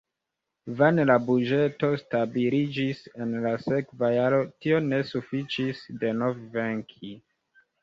Vane la buĝeto stabiliĝis, en la sekva jaro tio ne sufiĉis denove venki.